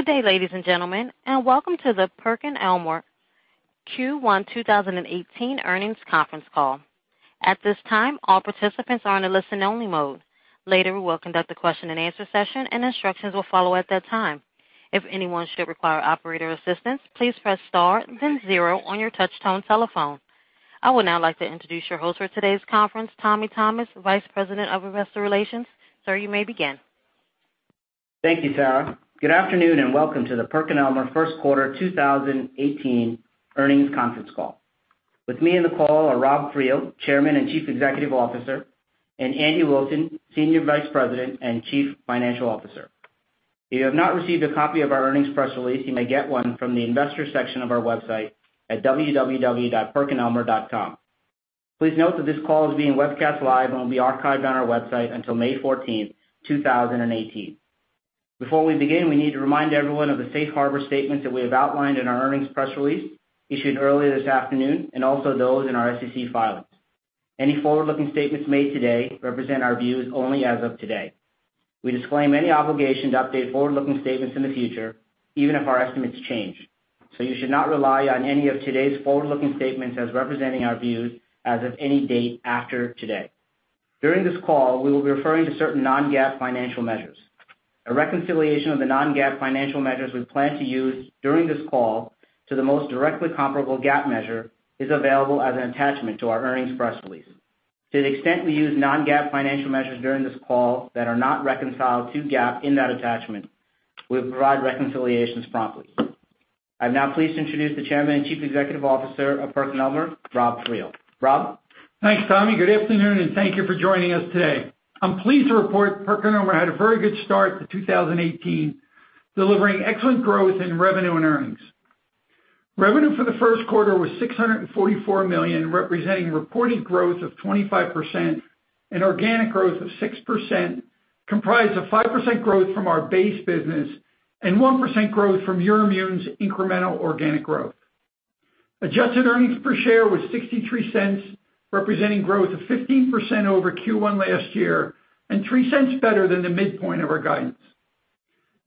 Good day, ladies and gentlemen, welcome to the PerkinElmer Q1 2018 earnings conference call. At this time, all participants are in a listen only mode. Later, we will conduct a question and answer session and instructions will follow at that time. If anyone should require operator assistance, please press star and then zero on your touchtone telephone. I would now like to introduce your host for today's conference, Tommy Thomas, Vice President of Investor Relations. Sir, you may begin. Thank you, Sarah. Good afternoon, welcome to the PerkinElmer first quarter 2018 earnings conference call. With me in the call are Rob Friel, Chairman and Chief Executive Officer, Andy Wilson, Senior Vice President and Chief Financial Officer. If you have not received a copy of our earnings press release, you may get one from the investors section of our website at www.perkinelmer.com. Please note that this call is being webcast live and will be archived on our website until May 14, 2018. Before we begin, we need to remind everyone of the safe harbor statement that we have outlined in our earnings press release issued earlier this afternoon, also those in our SEC filings. Any forward-looking statements made today represent our views only as of today. We disclaim any obligation to update forward-looking statements in the future, even if our estimates change. You should not rely on any of today's forward-looking statements as representing our views as of any date after today. During this call, we will be referring to certain non-GAAP financial measures. A reconciliation of the non-GAAP financial measures we plan to use during this call to the most directly comparable GAAP measure is available as an attachment to our earnings press release. To the extent we use non-GAAP financial measures during this call that are not reconciled to GAAP in that attachment, we'll provide reconciliations promptly. I'm now pleased to introduce the Chairman and Chief Executive Officer of PerkinElmer, Rob Friel. Rob? Thanks, Tommy. Good afternoon, thank you for joining us today. I'm pleased to report PerkinElmer had a very good start to 2018, delivering excellent growth in revenue and earnings. Revenue for the first quarter was $644 million, representing reported growth of 25%, organic growth of 6%, comprised of 5% growth from our base business, 1% growth from EUROIMMUN's incremental organic growth. Adjusted earnings per share was $0.63, representing growth of 15% over Q1 last year, $0.03 better than the midpoint of our guidance.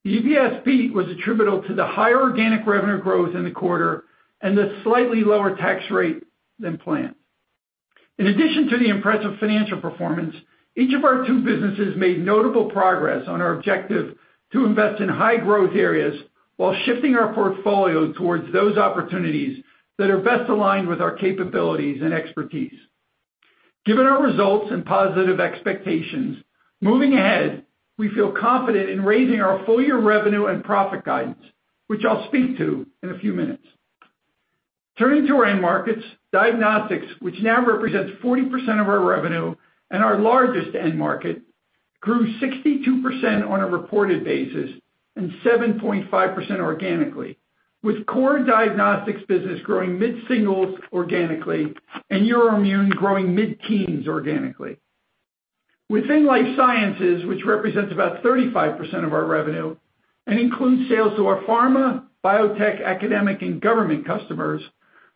The EPS beat was attributable to the higher organic revenue growth in the quarter, the slightly lower tax rate than planned. In addition to the impressive financial performance, each of our two businesses made notable progress on our objective to invest in high-growth areas while shifting our portfolio towards those opportunities that are best aligned with our capabilities and expertise. Given our results and positive expectations, moving ahead, we feel confident in raising our full-year revenue and profit guidance, which I'll speak to in a few minutes. Turning to our end markets, diagnostics, which now represents 40% of our revenue and our largest end market, grew 62% on a reported basis and 7.5% organically, with core diagnostics business growing mid-singles organically and EUROIMMUN growing mid-teens organically. Within life sciences, which represents about 35% of our revenue and includes sales to our pharma, biotech, academic, and government customers,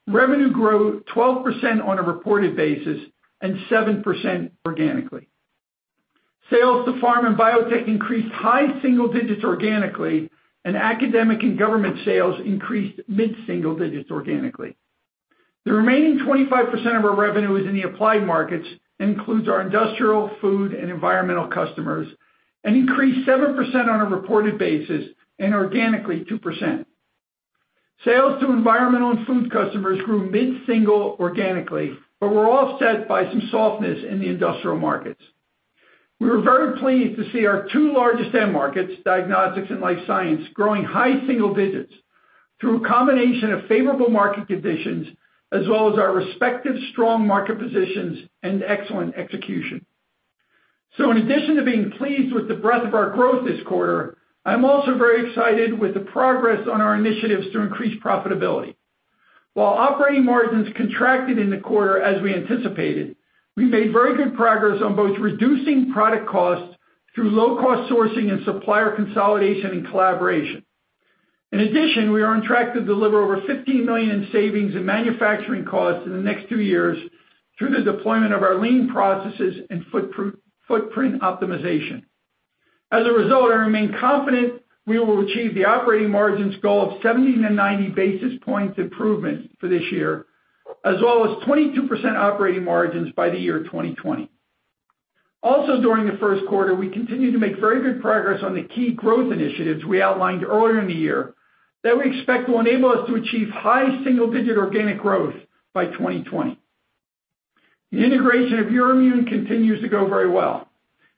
revenue grew 12% on a reported basis and 7% organically. Sales to pharma and biotech increased high single digits organically, and academic and government sales increased mid-single digits organically. The remaining 25% of our revenue is in the applied markets, and includes our industrial, food, and environmental customers, and increased 7% on a reported basis and organically 2%. Sales to environmental and food customers grew mid-single organically, but were offset by some softness in the industrial markets. We were very pleased to see our two largest end markets, diagnostics and life science, growing high single digits through a combination of favorable market conditions as well as our respective strong market positions and excellent execution. In addition to being pleased with the breadth of our growth this quarter, I'm also very excited with the progress on our initiatives to increase profitability. While operating margins contracted in the quarter as we anticipated, we made very good progress on both reducing product costs through low-cost sourcing and supplier consolidation and collaboration. In addition, we are on track to deliver over $15 million in savings and manufacturing costs in the next two years through the deployment of our lean processes and footprint optimization. As a result, I remain confident we will achieve the operating margins goal of 70 to 90 basis points improvement for this year, as well as 22% operating margins by the year 2020. Also, during the first quarter, we continued to make very good progress on the key growth initiatives we outlined earlier in the year that we expect will enable us to achieve high single-digit organic growth by 2020. The integration of EUROIMMUN continues to go very well.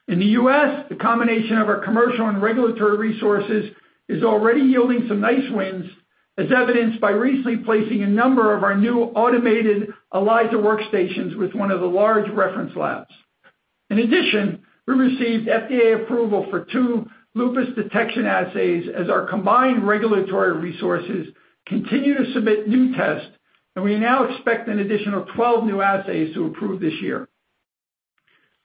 In the U.S., the combination of our commercial and regulatory resources is already yielding some nice wins, as evidenced by recently placing a number of our new automated ELISA workstations with one of the large reference labs. In addition, we received FDA approval for two lupus detection assays as our combined regulatory resources continue to submit new tests, and we now expect an additional 12 new assays to approve this year.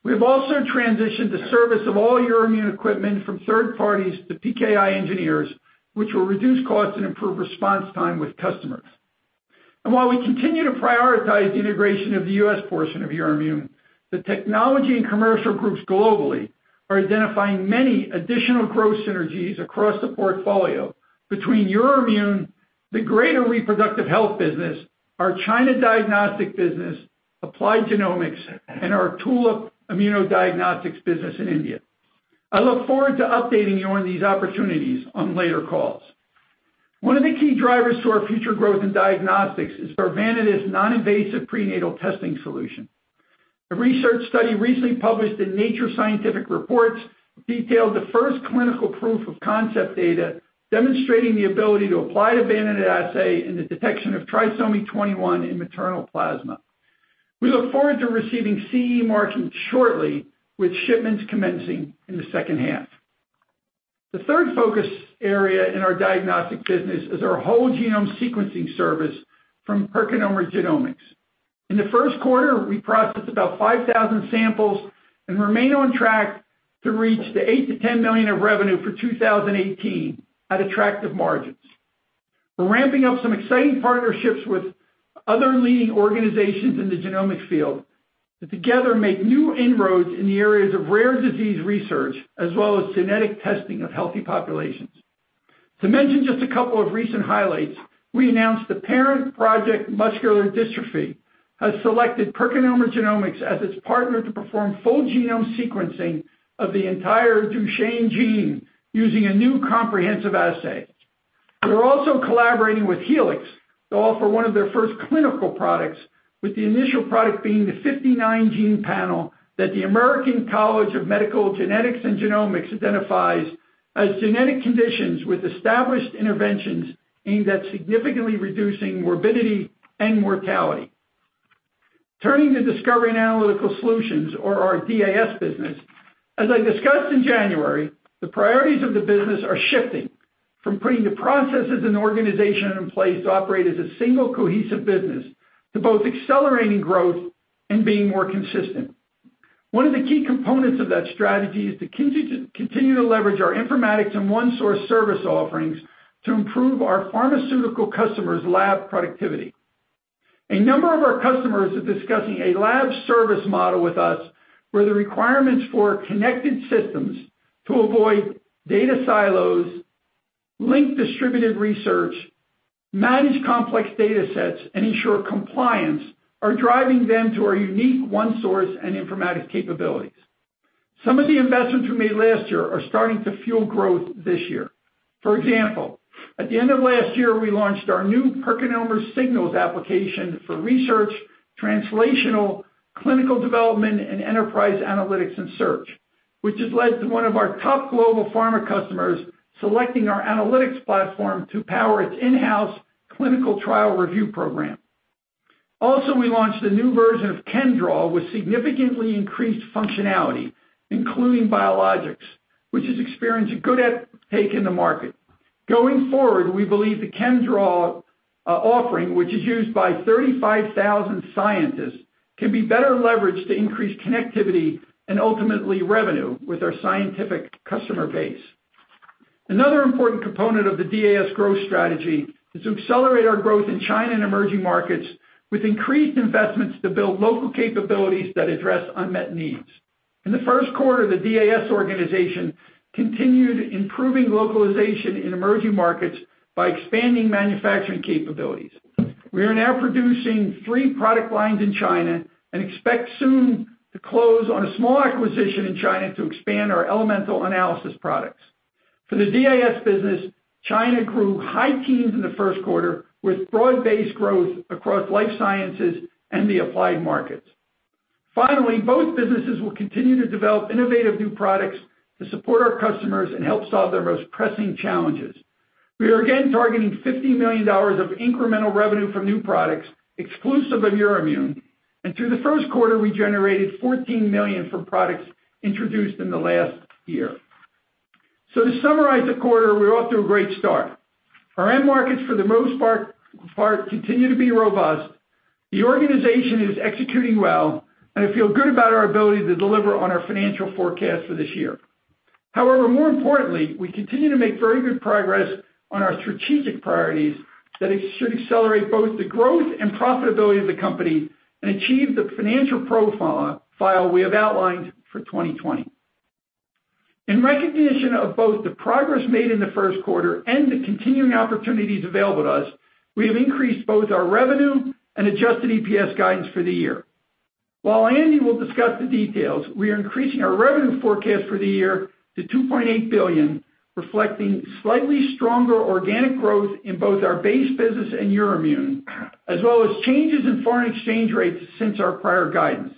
We have also transitioned to service of all EUROIMMUN equipment from third parties to PKI engineers, which will reduce costs and improve response time with customers. While we continue to prioritize the integration of the U.S. portion of EUROIMMUN, the technology and commercial groups globally are identifying many additional growth synergies across the portfolio between EUROIMMUN, the greater reproductive health business, our China diagnostic business, Applied Genomics, and our Tulip immunodiagnostics business in India. I look forward to updating you on these opportunities on later calls. One of the key drivers to our future growth in diagnostics is our Vanadis non-invasive prenatal testing solution. A research study recently published in Nature Scientific Reports detailed the first clinical proof of concept data demonstrating the ability to apply the Vanadis assay in the detection of trisomy 21 in maternal plasma. We look forward to receiving CE marking shortly, with shipments commencing in the second half. The third focus area in our diagnostic business is our whole genome sequencing service from PerkinElmer Genomics. In the first quarter, we processed about 5,000 samples and remain on track to reach the $8 million-$10 million of revenue for 2018 at attractive margins. We're ramping up some exciting partnerships with other leading organizations in the genomics field that together make new inroads in the areas of rare disease research, as well as genetic testing of healthy populations. To mention just a couple of recent highlights, we announced The Parent Project Muscular Dystrophy has selected PerkinElmer Genomics as its partner to perform full genome sequencing of the entire Duchenne gene using a new comprehensive assay. We're also collaborating with Helix to offer one of their first clinical products, with the initial product being the 59-gene panel that the American College of Medical Genetics and Genomics identifies as genetic conditions with established interventions aimed at significantly reducing morbidity and mortality. Turning to Discovery & Analytical Solutions, or our DAS business. As I discussed in January, the priorities of the business are shifting from putting the processes and organization in place to operate as a single cohesive business to both accelerating growth and being more consistent. One of the key components of that strategy is to continue to leverage our informatics and OneSource service offerings to improve our pharmaceutical customers' lab productivity. A number of our customers are discussing a lab service model with us, where the requirements for connected systems to avoid data silos, link distributed research, manage complex data sets, and ensure compliance are driving them to our unique OneSource and informatics capabilities. Some of the investments we made last year are starting to fuel growth this year. For example, at the end of last year, we launched our new PerkinElmer Signals application for research, translational, clinical development, and enterprise analytics and search, which has led to one of our top global pharma customers selecting our analytics platform to power its in-house clinical trial review program. We launched a new version of ChemDraw with significantly increased functionality, including biologics, which has experienced a good uptake in the market. Going forward, we believe the ChemDraw offering, which is used by 35,000 scientists, can be better leveraged to increase connectivity and ultimately revenue with our scientific customer base. Another important component of the DAS growth strategy is to accelerate our growth in China and emerging markets with increased investments to build local capabilities that address unmet needs. In the first quarter, the DAS organization continued improving localization in emerging markets by expanding manufacturing capabilities. We are now producing three product lines in China and expect soon to close on a small acquisition in China to expand our elemental analysis products. For the DAS business, China grew high teens in the first quarter, with broad-based growth across life sciences and the applied markets. Finally, both businesses will continue to develop innovative new products to support our customers and help solve their most pressing challenges. We are again targeting $50 million of incremental revenue from new products exclusive of EUROIMMUN, and through the first quarter, we generated $14 million from products introduced in the last year. To summarize the quarter, we're off to a great start. Our end markets, for the most part, continue to be robust. The organization is executing well, and I feel good about our ability to deliver on our financial forecast for this year. More importantly, we continue to make very good progress on our strategic priorities that should accelerate both the growth and profitability of the company and achieve the financial profile we have outlined for 2020. In recognition of both the progress made in the first quarter and the continuing opportunities available to us, we have increased both our revenue and adjusted EPS guidance for the year. While Andy will discuss the details, we are increasing our revenue forecast for the year to $2.8 billion, reflecting slightly stronger organic growth in both our base business and EUROIMMUN, as well as changes in foreign exchange rates since our prior guidance.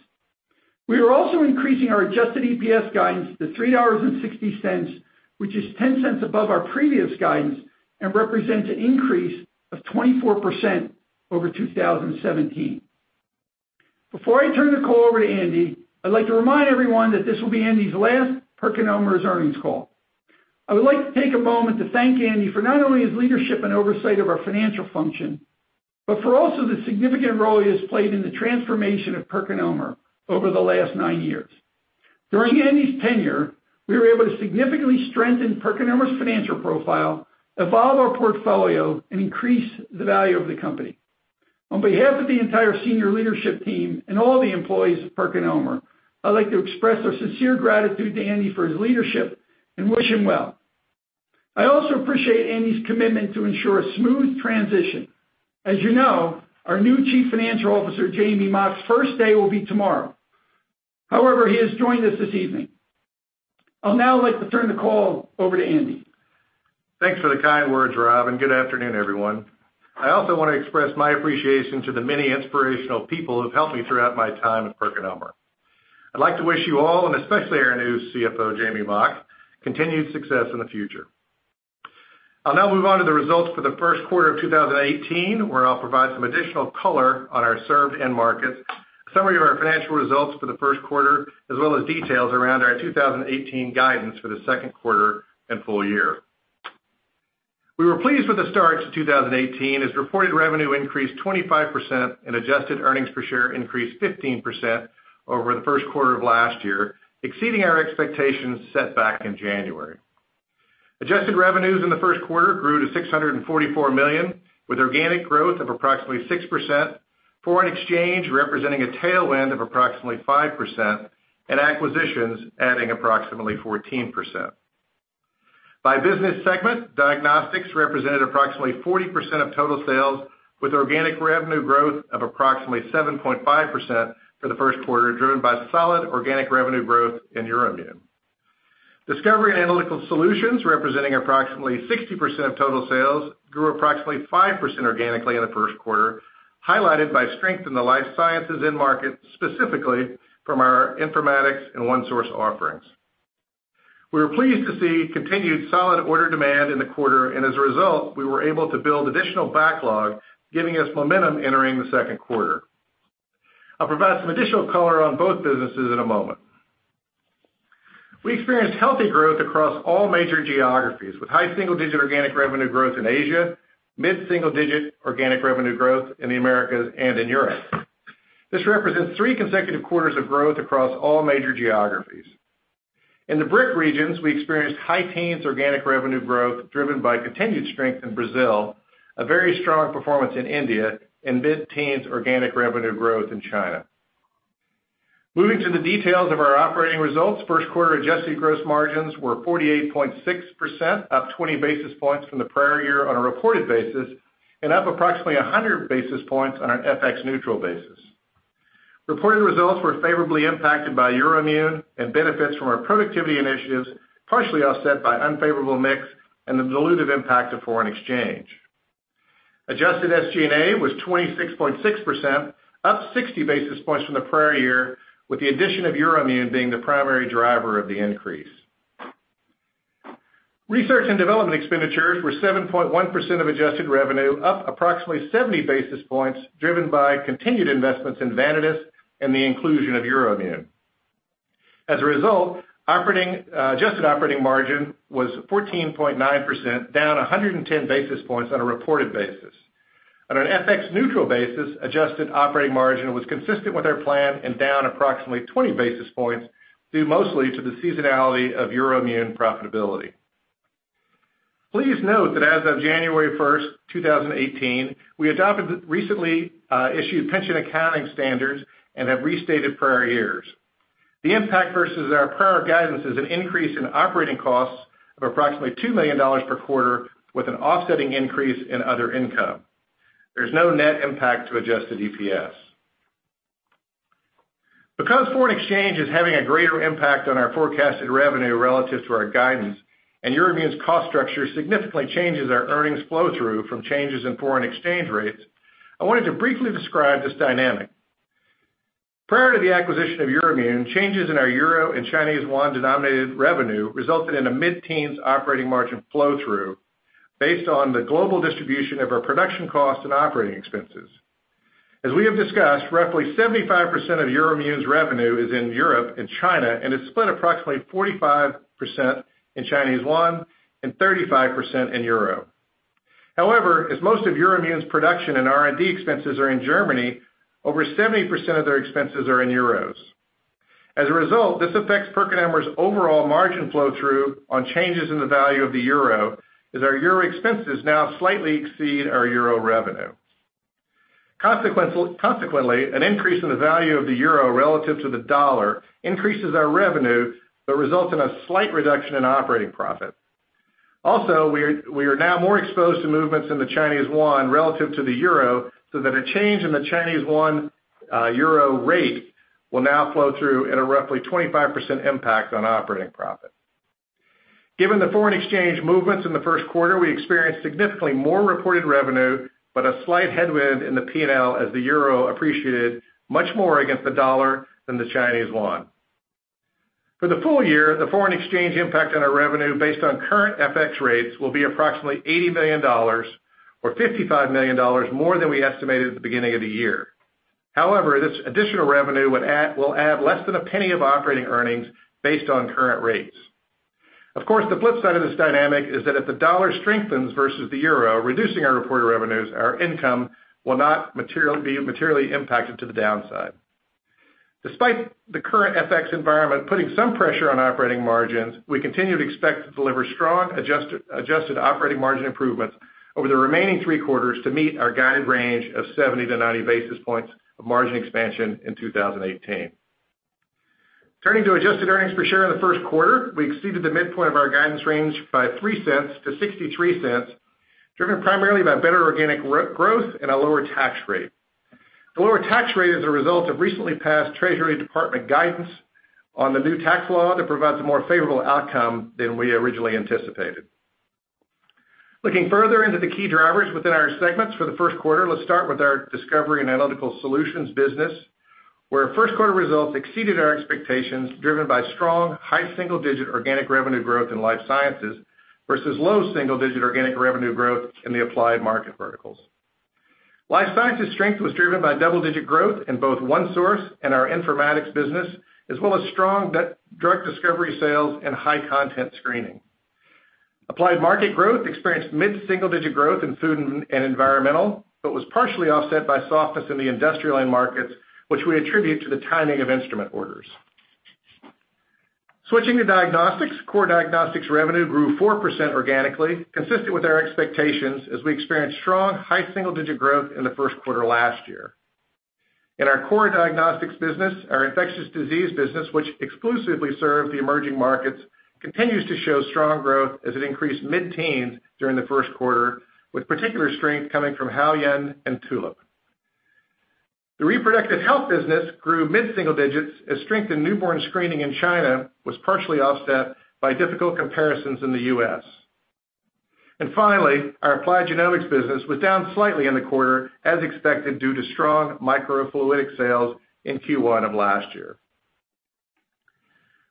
We are also increasing our adjusted EPS guidance to $3.60, which is $0.10 above our previous guidance and represents an increase of 24% over 2017. Before I turn the call over to Andy, I'd like to remind everyone that this will be Andy's last PerkinElmer's earnings call. I would like to take a moment to thank Andy for not only his leadership and oversight of our financial function, but for also the significant role he has played in the transformation of PerkinElmer over the last nine years. During Andy's tenure, we were able to significantly strengthen PerkinElmer's financial profile, evolve our portfolio, and increase the value of the company. On behalf of the entire senior leadership team and all the employees of PerkinElmer, I'd like to express our sincere gratitude to Andy for his leadership and wish him well. I also appreciate Andy's commitment to ensure a smooth transition. As you know, our new chief financial officer, Jamey Mock's first day will be tomorrow. He has joined us this evening. I'll now like to turn the call over to Andy. Thanks for the kind words, Rob, and good afternoon, everyone. I also want to express my appreciation to the many inspirational people who've helped me throughout my time at PerkinElmer. I'd like to wish you all, and especially our new CFO, Jamey Mock, continued success in the future. I'll now move on to the results for the first quarter of 2018, where I'll provide some additional color on our served end markets, a summary of our financial results for the first quarter, as well as details around our 2018 guidance for the second quarter and full year. We were pleased with the start to 2018 as reported revenue increased 25% and adjusted earnings per share increased 15% over the first quarter of last year, exceeding our expectations set back in January. Adjusted revenues in the first quarter grew to $644 million, with organic growth of approximately 6%, foreign exchange representing a tailwind of approximately 5%, and acquisitions adding approximately 14%. By business segment, diagnostics represented approximately 40% of total sales, with organic revenue growth of approximately 7.5% for the first quarter, driven by solid organic revenue growth in EUROIMMUN. Discovery & Analytical Solutions, representing approximately 60% of total sales, grew approximately 5% organically in the first quarter, highlighted by strength in the life sciences end market, specifically from our informatics and OneSource offerings. We were pleased to see continued solid order demand in the quarter, and as a result, we were able to build additional backlog, giving us momentum entering the second quarter. I'll provide some additional color on both businesses in a moment. We experienced healthy growth across all major geographies, with high single-digit organic revenue growth in Asia, mid-single-digit organic revenue growth in the Americas and in Europe. This represents three consecutive quarters of growth across all major geographies. In the BRIC regions, we experienced high teens organic revenue growth, driven by continued strength in Brazil, a very strong performance in India, and mid-teens organic revenue growth in China. Moving to the details of our operating results, first quarter adjusted gross margins were 48.6%, up 20 basis points from the prior year on a reported basis and up approximately 100 basis points on an FX neutral basis. Reported results were favorably impacted by EUROIMMUN and benefits from our productivity initiatives, partially offset by unfavorable mix and the dilutive impact of foreign exchange. Adjusted SG&A was 26.6%, up 60 basis points from the prior year, with the addition of EUROIMMUN being the primary driver of the increase. Research & Development expenditures were 7.1% of adjusted revenue, up approximately 70 basis points, driven by continued investments in Vanadis and the inclusion of EUROIMMUN. As a result, adjusted operating margin was 14.9%, down 110 basis points on a reported basis. On an FX neutral basis, adjusted operating margin was consistent with our plan and down approximately 20 basis points, due mostly to the seasonality of EUROIMMUN profitability. Please note that as of January 1st, 2018, we adopted recently issued pension accounting standards and have restated prior years. The impact versus our prior guidance is an increase in operating costs of approximately $2 million per quarter, with an offsetting increase in other income. There's no net impact to adjusted EPS. Because foreign exchange is having a greater impact on our forecasted revenue relative to our guidance and EUROIMMUN's cost structure significantly changes our earnings flow-through from changes in foreign exchange rates, I wanted to briefly describe this dynamic. Prior to the acquisition of EUROIMMUN, changes in our euro and Chinese yuan-denominated revenue resulted in a mid-teens operating margin flow-through based on the global distribution of our production costs and operating expenses. As we have discussed, roughly 75% of EUROIMMUN's revenue is in Europe and China, and is split approximately 45% in Chinese yuan and 35% in euro. However, as most of EUROIMMUN's production and R&D expenses are in Germany, over 70% of their expenses are in euros. As a result, this affects PerkinElmer's overall margin flow-through on changes in the value of the euro, as our euro expenses now slightly exceed our euro revenue. An increase in the value of the euro relative to the dollar increases our revenue, but results in a slight reduction in operating profit. We are now more exposed to movements in the Chinese yuan relative to the euro, so that a change in the Chinese yuan-euro rate will now flow through at a roughly 25% impact on operating profit. Given the foreign exchange movements in the first quarter, we experienced significantly more reported revenue, but a slight headwind in the P&L as the euro appreciated much more against the dollar than the Chinese yuan. For the full year, the foreign exchange impact on our revenue based on current FX rates will be approximately $80 million or $55 million more than we estimated at the beginning of the year. This additional revenue will add less than $0.01 of operating earnings based on current rates. The flip side of this dynamic is that if the dollar strengthens versus the euro, reducing our reported revenues, our income will not be materially impacted to the downside. Despite the current FX environment putting some pressure on operating margins, we continue to expect to deliver strong adjusted operating margin improvements over the remaining three quarters to meet our guided range of 70-90 basis points of margin expansion in 2018. Turning to adjusted earnings per share in the first quarter, we exceeded the midpoint of our guidance range by $0.03 to $0.63, driven primarily by better organic growth and a lower tax rate. The lower tax rate is a result of recently passed Treasury Department guidance on the new tax law that provides a more favorable outcome than we originally anticipated. Looking further into the key drivers within our segments for the first quarter, let's start with our Discovery & Analytical Solutions business, where first quarter results exceeded our expectations, driven by strong, high single-digit organic revenue growth in life sciences, versus low single-digit organic revenue growth in the applied market verticals. Life sciences strength was driven by double-digit growth in both OneSource and our informatics business, as well as strong drug discovery sales and high-content screening. Applied market growth experienced mid-single-digit growth in food and environmental, but was partially offset by softness in the industrial end markets, which we attribute to the timing of instrument orders. Switching to diagnostics, core diagnostics revenue grew 4% organically, consistent with our expectations as we experienced strong, high single-digit growth in the first quarter last year. In our core diagnostics business, our infectious disease business, which exclusively served the emerging markets, continues to show strong growth as it increased mid-teens during the first quarter, with particular strength coming from Haoyuan and Tulip. The reproductive health business grew mid-single digits as strength in newborn screening in China was partially offset by difficult comparisons in the U.S. Finally, our Applied Genomics business was down slightly in the quarter as expected due to strong microfluidic sales in Q1 of last year.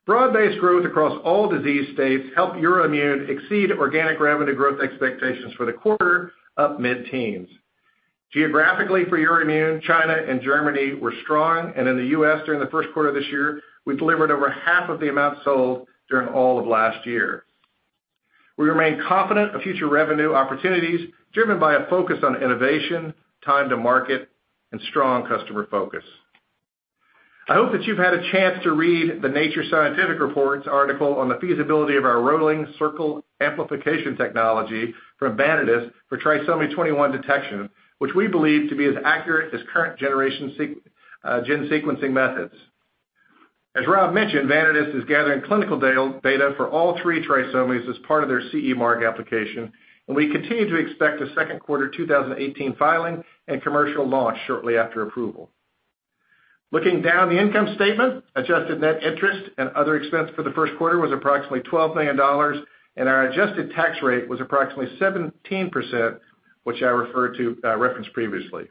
Broad-based growth across all disease states helped EUROIMMUN exceed organic revenue growth expectations for the quarter up mid-teens. Geographically for EUROIMMUN, China and Germany were strong, and in the U.S. during the first quarter of this year, we delivered over half of the amount sold during all of last year. We remain confident of future revenue opportunities driven by a focus on innovation, time to market, and strong customer focus. I hope that you've had a chance to read the "Nature Scientific Reports" article on the feasibility of our rolling circle amplification technology from Vanadis for trisomy 21 detection, which we believe to be as accurate as current generation gene sequencing methods. As Rob mentioned, Vanadis is gathering clinical data for all three trisomies as part of their CE mark application, and we continue to expect a second quarter 2018 filing and commercial launch shortly after approval. Looking down the income statement, adjusted net interest and other expense for the first quarter was approximately $12 million, and our adjusted tax rate was approximately 17%, which I referenced previously.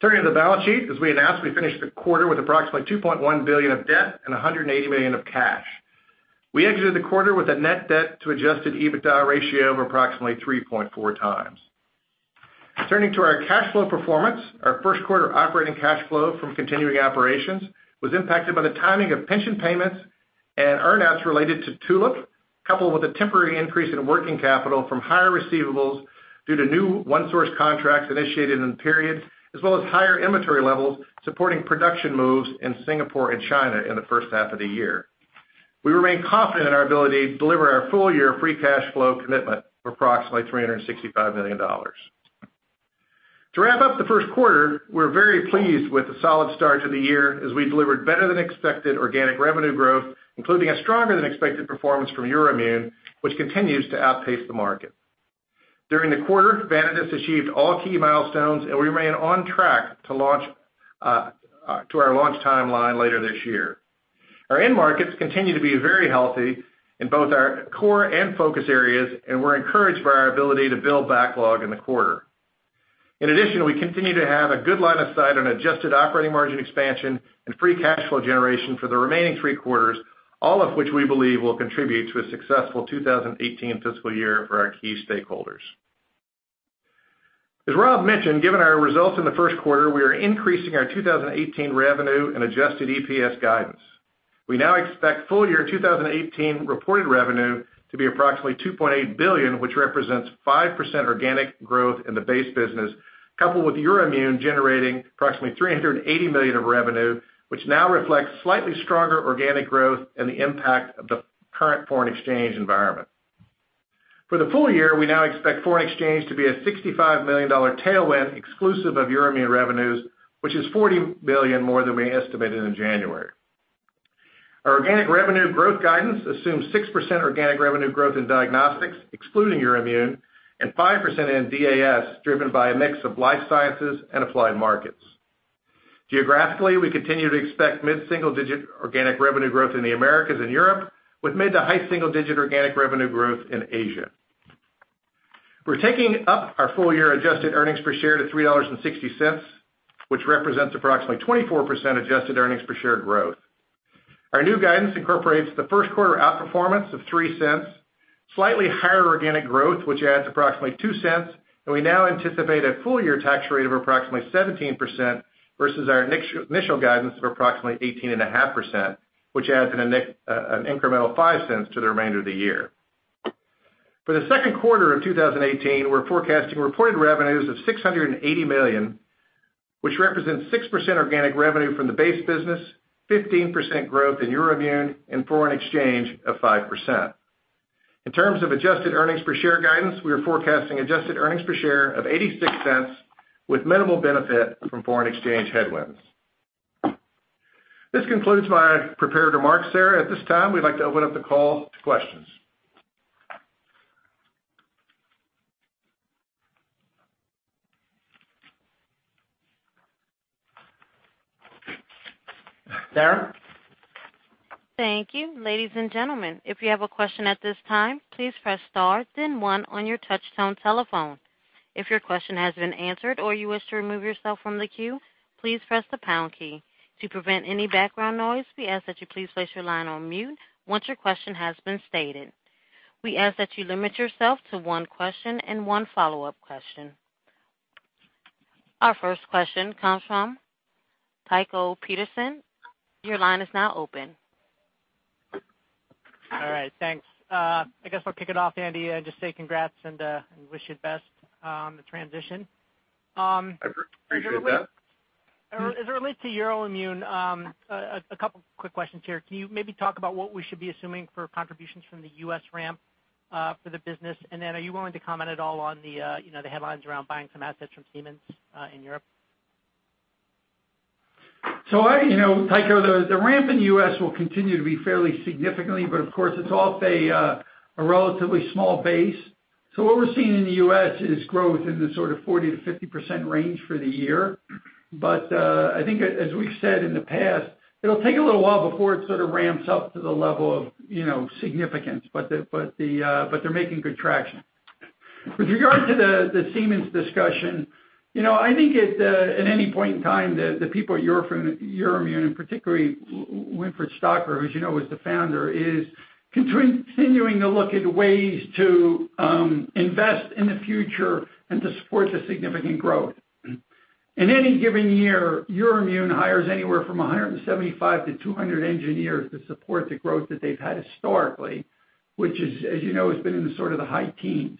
Turning to the balance sheet, as we announced, we finished the quarter with approximately $2.1 billion of debt and $180 million of cash. We exited the quarter with a net debt to adjusted EBITDA ratio of approximately 3.4 times. Turning to our cash flow performance, our first quarter operating cash flow from continuing operations was impacted by the timing of pension payments and earn-outs related to Tulip, coupled with a temporary increase in working capital from higher receivables due to new OneSource contracts initiated in the period, as well as higher inventory levels supporting production moves in Singapore and China in the first half of the year. We remain confident in our ability to deliver our full-year free cash flow commitment of approximately $365 million. To wrap up the first quarter, we're very pleased with the solid start to the year as we delivered better-than-expected organic revenue growth, including a stronger than expected performance from EUROIMMUN, which continues to outpace the market. During the quarter, Vanadis achieved all key milestones, and we remain on track to our launch timeline later this year. Our end markets continue to be very healthy in both our core and focus areas, and we're encouraged by our ability to build backlog in the quarter. In addition, we continue to have a good line of sight on adjusted operating margin expansion and free cash flow generation for the remaining three quarters, all of which we believe will contribute to a successful 2018 fiscal year for our key stakeholders. As Rob mentioned, given our results in the first quarter, we are increasing our 2018 revenue and adjusted EPS guidance. We now expect full-year 2018 reported revenue to be approximately $2.8 billion, which represents 5% organic growth in the base business, coupled with EUROIMMUN generating approximately $380 million of revenue, which now reflects slightly stronger organic growth and the impact of the current foreign exchange environment. For the full year, we now expect foreign exchange to be a $65 million tailwind exclusive of EUROIMMUN revenues, which is $40 million more than we estimated in January. Our organic revenue growth guidance assumes 6% organic revenue growth in diagnostics excluding EUROIMMUN, and 5% in DAS driven by a mix of life sciences and applied markets. Geographically, we continue to expect mid-single-digit organic revenue growth in the Americas and Europe, with mid to high single-digit organic revenue growth in Asia. We are taking up our full-year adjusted earnings per share to $3.60, which represents approximately 24% adjusted earnings per share growth. Our new guidance incorporates the first quarter outperformance of $0.03, slightly higher organic growth, which adds approximately $0.02, and we now anticipate a full-year tax rate of approximately 17%, versus our initial guidance of approximately 18.5%, which adds an incremental $0.05 to the remainder of the year. For the second quarter of 2018, we are forecasting reported revenues of $680 million, which represents 6% organic revenue from the base business, 15% growth in EUROIMMUN, and foreign exchange of 5%. In terms of adjusted earnings per share guidance, we are forecasting adjusted earnings per share of $0.86 with minimal benefit from foreign exchange headwinds. This concludes my prepared remarks. Sarah, at this time, we would like to open up the call to questions. Sarah? Thank you. Ladies and gentlemen, if you have a question at this time, please press star then one on your touch tone telephone. If your question has been answered or you wish to remove yourself from the queue, please press the pound key. To prevent any background noise, we ask that you please place your line on mute once your question has been stated. We ask that you limit yourself to one question and one follow-up question. Our first question comes from Tycho Peterson. Your line is now open. All right. Thanks. I guess I will kick it off, Andy, and just say congrats and wish you the best on the transition. I appreciate that. As it relates to EUROIMMUN, a couple quick questions here. Can you maybe talk about what we should be assuming for contributions from the U.S. ramp for the business? Then are you willing to comment at all on the headlines around buying some assets from Siemens in Europe? Tycho, the ramp in the U.S. will continue to be fairly significant, but of course, it's off a relatively small base. What we're seeing in the U.S. is growth in the sort of 40%-50% range for the year. I think as we've said in the past, it'll take a little while before it sort of ramps up to the level of significance. They're making good traction. With regard to the Siemens discussion, I think at any point in time, the people at EUROIMMUN, and particularly Winfried Stöcker, who, as you know, is the founder, is continuing to look at ways to invest in the future and to support the significant growth. In any given year, EUROIMMUN hires anywhere from 175 to 200 engineers to support the growth that they've had historically, which as you know, has been in the sort of the high teens.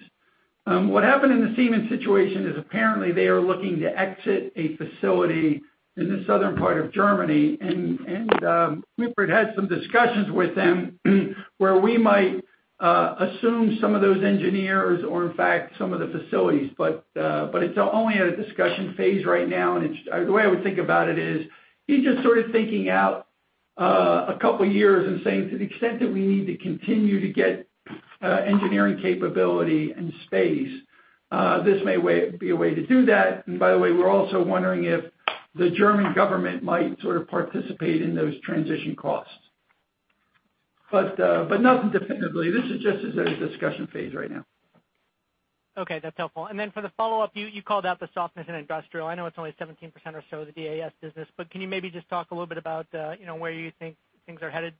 What happened in the Siemens situation is apparently they are looking to exit a facility in the southern part of Germany. Winfried had some discussions with them where we might assume some of those engineers or, in fact, some of the facilities. It's only at a discussion phase right now, the way I would think about it is he's just sort of thinking out a couple of years and saying to the extent that we need to continue to get engineering capability and space, this may be a way to do that. By the way, we're also wondering if the German government might sort of participate in those transition costs. Nothing definitively. This is just as a discussion phase right now. Okay, that's helpful. For the follow-up, you called out the softness in industrial. I know it's only 17% or so of the DAS business, but can you maybe just talk a little bit about where you think things are headed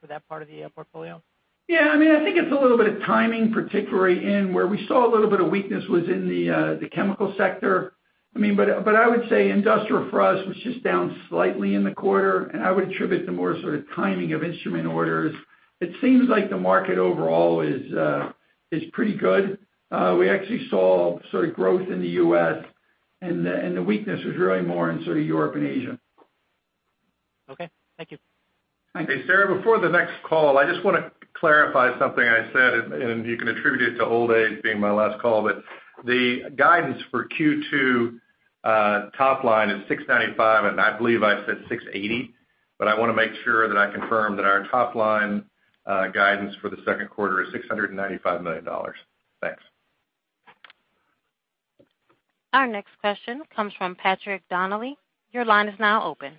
for that part of the portfolio? Yeah, I think it's a little bit of timing, particularly in where we saw a little bit of weakness was in the chemical sector. I would say industrial for us was just down slightly in the quarter, and I would attribute it to more sort of timing of instrument orders. It seems like the market overall is pretty good. We actually saw growth in the U.S., and the weakness was really more in Europe and Asia. Okay. Thank you. Thank you. Hey, Sarah, before the next call, I just want to clarify something I said, and you can attribute it to old age being my last call, the guidance for Q2 top line is $695 million, and I believe I said $680 million, I want to make sure that I confirm that our top-line guidance for the second quarter is $695 million. Thanks. Our next question comes from Patrick Donnelly. Your line is now open.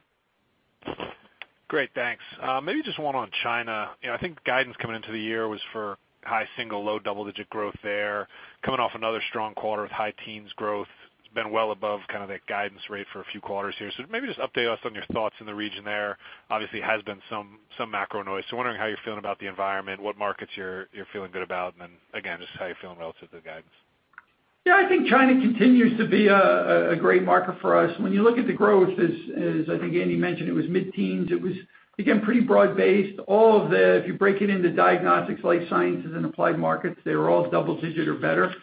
Great, thanks. Maybe just one on China. I think guidance coming into the year was for high single, low double-digit growth there. Coming off another strong quarter with high teens growth. It has been well above kind of that guidance rate for a few quarters here. Maybe just update us on your thoughts in the region there. Obviously, has been some macro noise. Wondering how you are feeling about the environment, what markets you are feeling good about, and then again, just how you are feeling relative to the guidance. Yeah, I think China continues to be a great market for us. When you look at the growth, as I think Andy mentioned, it was mid-teens. It was, again, pretty broad-based. If you break it into diagnostics, life sciences, and applied markets, they were all double-digit or better.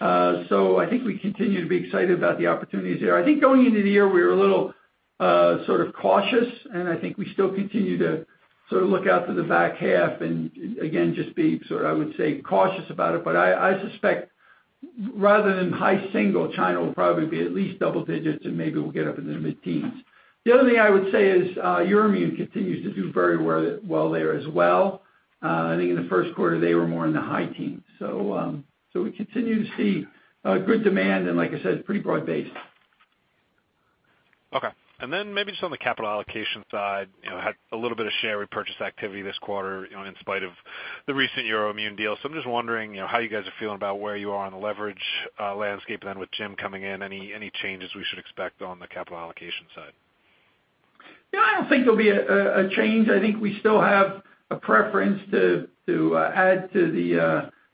I think we continue to be excited about the opportunities there. I think going into the year, we were a little cautious, and I think we still continue to look out to the back half and again, just be, I would say, cautious about it, but I suspect rather than high single, China will probably be at least double digits and maybe will get up into the mid-teens. The other thing I would say is EUROIMMUN continues to do very well there as well. I think in the first quarter, they were more in the high teens. We continue to see good demand and like I said, pretty broad-based. Okay. Maybe just on the capital allocation side, had a little bit of share repurchase activity this quarter in spite of the recent EUROIMMUN deal. I'm just wondering how you guys are feeling about where you are on the leverage landscape. Then with Jamey coming in, any changes we should expect on the capital allocation side? I don't think there'll be a change. I think we still have a preference to add to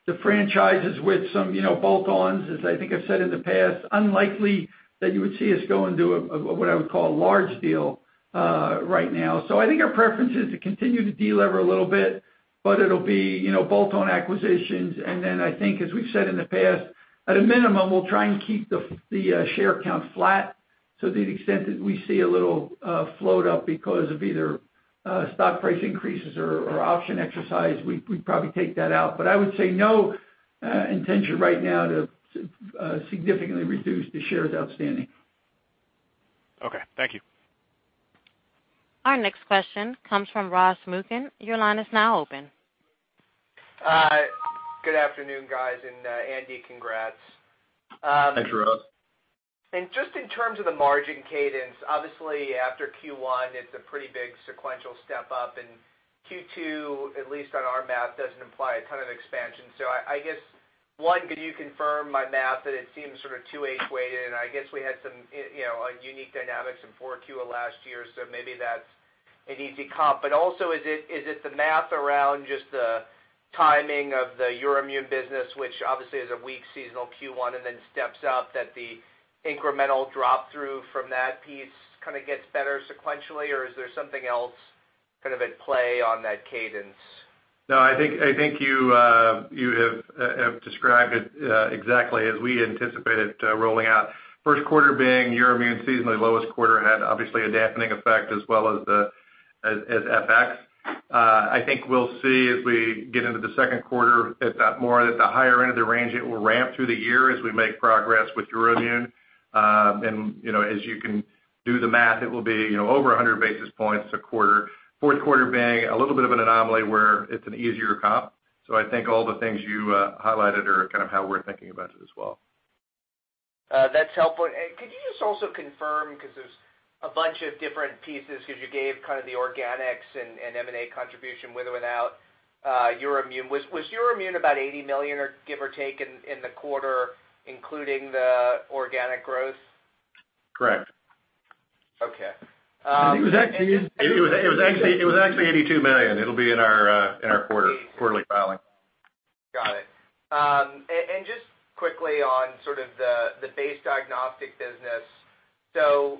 the franchises with some bolt-ons, as I think I've said in the past. Unlikely that you would see us go and do what I would call a large deal right now. I think our preference is to continue to de-lever a little bit, but it'll be bolt-on acquisitions. I think, as we've said in the past, at a minimum, we'll try and keep the share count flat. To the extent that we see a little float up because of either stock price increases or option exercise, we'd probably take that out. I would say no intention right now to significantly reduce the shares outstanding. Okay, thank you. Our next question comes from Ross Muken. Your line is now open. Good afternoon, guys. Andy, congrats. Thanks, Ross. Just in terms of the margin cadence, obviously after Q1, it's a pretty big sequential step up. Q2, at least on our math, doesn't imply a ton of expansion. So I guess, one, could you confirm my math that it seems sort of 2H-weighted, I guess we had some unique dynamics in 4Q of last year, so maybe that's an easy comp. Also, is it the math around just the timing of the EUROIMMUN business, which obviously is a weak seasonal Q1 and then steps up that the incremental drop-through from that piece kind of gets better sequentially, or is there something else at play on that cadence? No, I think you have described it exactly as we anticipated rolling out. First quarter being EUROIMMUN seasonally lowest quarter had obviously a dampening effect as well as FX. I think we'll see as we get into the second quarter at that more at the higher end of the range, it will ramp through the year as we make progress with EUROIMMUN. As you can do the math, it will be over 100 basis points a quarter. Fourth quarter being a little bit of an anomaly where it's an easier comp. I think all the things you highlighted are kind of how we're thinking about it as well. That's helpful. Could you just also confirm, because there's a bunch of different pieces because you gave kind of the organics and M&A contribution with or without EUROIMMUN. Was EUROIMMUN about $80 million or give or take in the quarter, including the organic growth? Correct. Okay. It was actually $82 million. It'll be in our quarterly filing. Got it. Just quickly on sort of the base diagnostic business. 4%,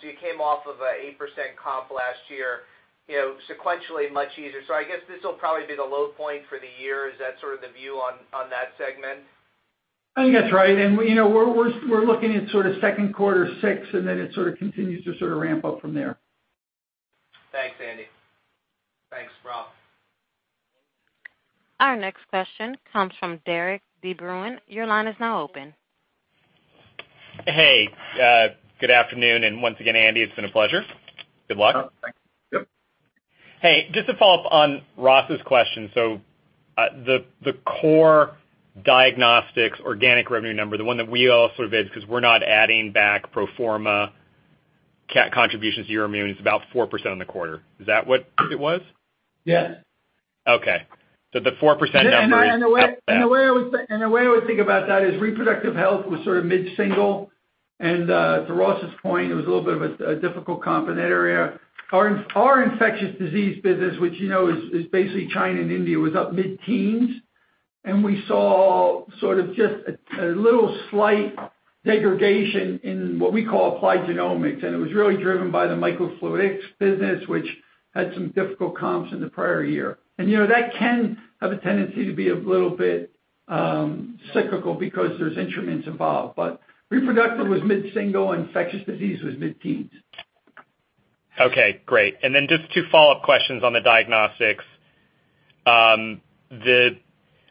you came off of a 8% comp last year, sequentially much easier. I guess this will probably be the low point for the year. Is that sort of the view on that segment? I think that's right. We're looking at sort of second quarter 6%, it sort of continues to sort of ramp up from there. Thanks, Andy. Thanks, Ross. Our next question comes from Derik De Bruin. Your line is now open. Hey, good afternoon. Once again, Andy, it's been a pleasure. Good luck. Thanks. Yep. Hey, just to follow up on Ross's question. The core diagnostics organic revenue number, the one that we all sort of, because we're not adding back pro forma organic contributions to EUROIMMUN, it's about 4% on the quarter. Is that what it was? Yes. Okay. The 4% number is up that. The way I would think about that is reproductive health was sort of mid-single. To Ross's point, it was a little bit of a difficult comp in that area. Our infectious disease business, which is basically China and India, was up mid-teens. We saw sort of just a little slight degradation in what we call Applied Genomics. It was really driven by the microfluidics business, which had some difficult comps in the prior year. That can have a tendency to be a little bit cyclical because there's instruments involved. But reproductive was mid-single, infectious disease was mid-teens. Okay, great. Just two follow-up questions on the diagnostics.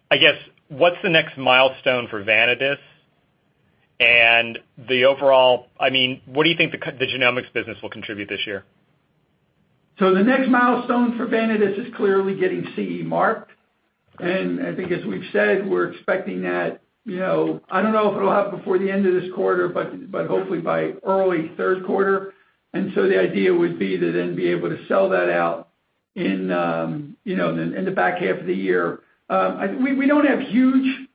I guess, what's the next milestone for Vanadis? The overall, what do you think the genomics business will contribute this year? The next milestone for Vanadis is clearly getting CE marked. I think as we've said, we're expecting that, I don't know if it'll happen before the end of this quarter, but hopefully by early third quarter. The idea would be to then be able to sell that out in the back half of the year. We don't have huge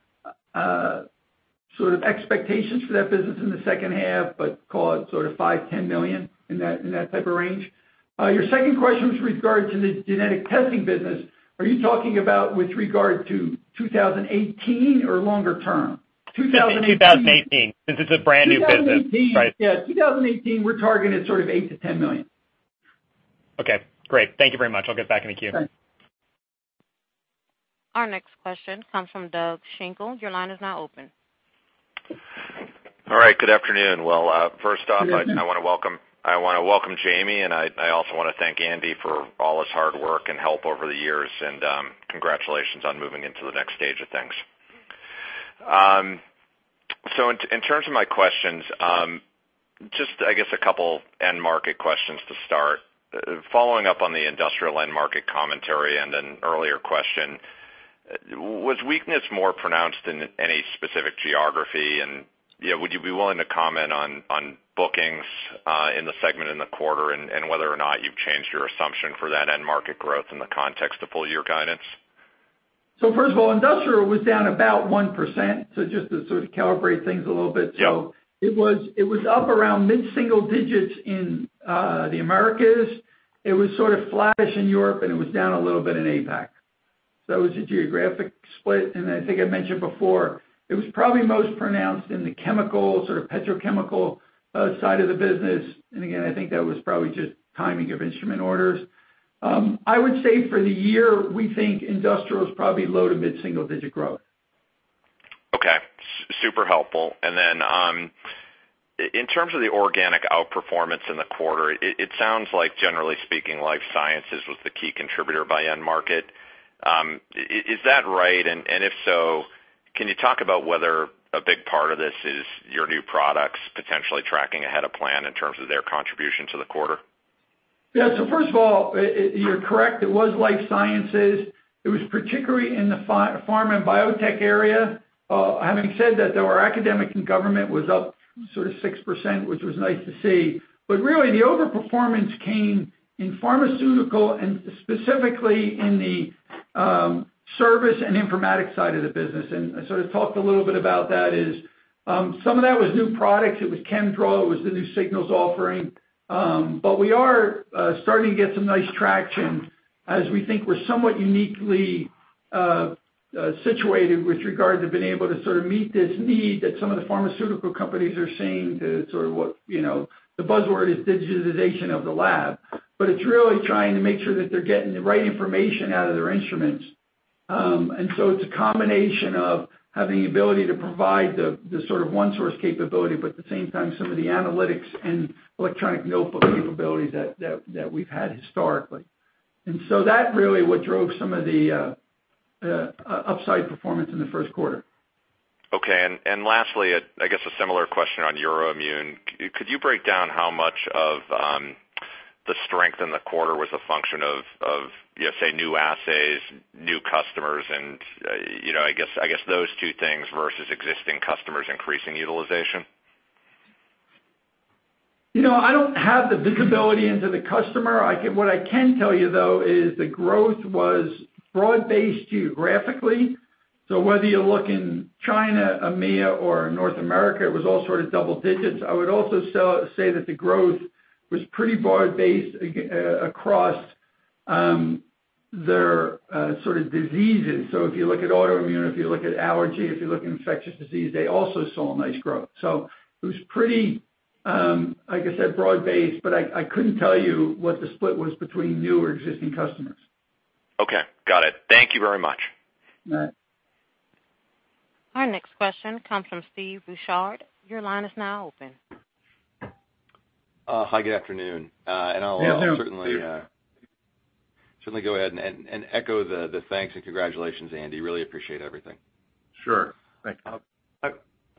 sort of expectations for that business in the second half, but call it sort of $5 million-$10 million in that type of range. Your second question was with regard to the genetic testing business. Are you talking about with regard to 2018 or longer term? 2018. 2018, since it's a brand new business, right? Yeah, 2018, we're targeting sort of $8 million-$10 million. Okay, great. Thank you very much. I'll get back in the queue. Sure. Our next question comes from Doug Schenkel. Your line is now open. All right. Good afternoon. First off, I want to welcome Jamey, I also want to thank Andy for all his hard work and help over the years. Congratulations on moving into the next stage of things. In terms of my questions, just I guess a couple end market questions to start. Following up on the industrial end market commentary and an earlier question, was weakness more pronounced in any specific geography? Would you be willing to comment on bookings in the segment in the quarter and whether or not you've changed your assumption for that end market growth in the context of full year guidance? First of all, industrial was down about 1%, just to sort of calibrate things a little bit. Yeah. It was up around mid-single digits in the Americas. It was sort of flattish in Europe, it was down a little bit in APAC. That was the geographic split, I think I mentioned before, it was probably most pronounced in the chemical, sort of petrochemical, side of the business. Again, I think that was probably just timing of instrument orders. I would say for the year, we think industrial is probably low to mid single-digit growth. Okay. Super helpful. In terms of the organic outperformance in the quarter, it sounds like generally speaking, life sciences was the key contributor by end market. Is that right? If so, can you talk about whether a big part of this is your new products potentially tracking ahead of plan in terms of their contribution to the quarter? Yeah. First of all, you're correct. It was life sciences. It was particularly in the pharma and biotech area. Having said that, though, our academic and government was up 6%, which was nice to see. Really, the overperformance came in pharmaceutical, specifically in the service and informatics side of the business. I sort of talked a little bit about that, is some of that was new products. It was ChemDraw, it was the new Signals offering. We are starting to get some nice traction as we think we're somewhat uniquely situated with regard to being able to sort of meet this need that some of the pharmaceutical companies are seeing to sort of what the buzzword is digitization of the lab. It's really trying to make sure that they're getting the right information out of their instruments. It's a combination of having the ability to provide the sort of OneSource capability, at the same time, some of the analytics and electronic notebook capabilities that we've had historically. That really what drove some of the upside performance in the first quarter. Okay. Lastly, I guess a similar question on EUROIMMUN. Could you break down how much of the strength in the quarter was a function of, say, new assays, new customers, and I guess those two things versus existing customers increasing utilization? I don't have the visibility into the customer. What I can tell you, though, is the growth was broad-based geographically, whether you look in China, EMEA, or North America, it was all sort of double digits. I would also say that the growth was pretty broad-based across their sort of diseases. If you look at autoimmune, or if you look at allergy, if you look at infectious disease, they also saw a nice growth. It was pretty, like I said, broad-based, but I couldn't tell you what the split was between new or existing customers. Okay, got it. Thank you very much. All right. Our next question comes from Steve Beuchaw. Your line is now open. Hi, good afternoon. Yes, hi, Steve. I'll certainly go ahead and echo the thanks and congratulations, Andy. Really appreciate everything. Sure. Thank you.